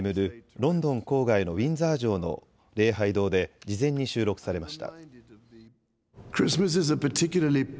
ロンドン郊外のウィンザー城の礼拝堂で事前に収録されました。